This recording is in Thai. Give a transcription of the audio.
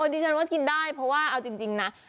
เดี๋ยวผมคิดว่ากินได้เพราะว่าเอาจริงนะ